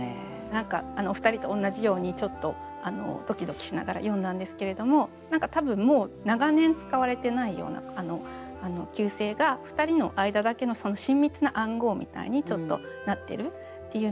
何かお二人と同じようにちょっとドキドキしながら読んだんですけれども多分もう長年使われてないような旧姓が２人の間だけの親密な暗号みたいになってるっていうのと。